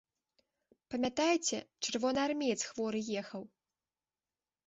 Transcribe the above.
Памятаеце, чырвонаармеец хворы ехаў?